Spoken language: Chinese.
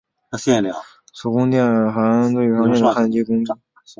手工电弧焊最常见的焊接工艺。